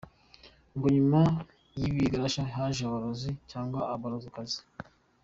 Ngo nyuma y’ibigarasha, haje abarozi cg abarozikazi ?